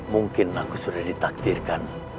mungkin aku sudah ditaktirkan